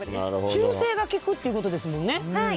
修正が利くってことですもんね。